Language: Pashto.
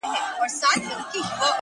هغه خاموسه شان آهنگ چي لا په ذهن کي دی’